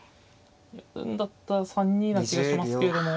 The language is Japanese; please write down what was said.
やるんだったら３二な気がしますけれども。